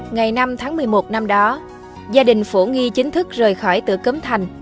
ngày năm tháng một mươi một năm đó gia đình phổ nghi chính thức rời khỏi tử cấm thành